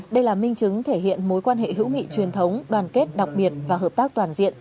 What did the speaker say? đây là minh chứng thể hiện mối quan hệ hữu nghị truyền thống đoàn kết đặc biệt và hợp tác toàn diện